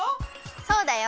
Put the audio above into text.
そうだよ。